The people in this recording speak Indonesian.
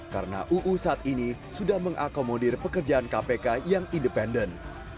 karena uu saat ini sudah mengakomodir pekerjaan kpk yang independen